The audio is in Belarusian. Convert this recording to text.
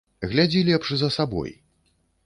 Глядзі лепш за сабой!